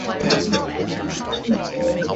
There are numerous hagiographic biographies of him.